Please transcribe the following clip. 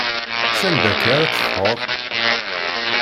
S anda akka ara teffɣeḍ?